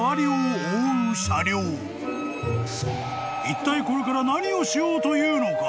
［いったいこれから何をしようというのか？］